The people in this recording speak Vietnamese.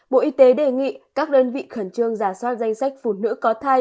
bộ y tế đề nghị các đơn vị khẩn trương giả soát danh sách phụ nữ có thai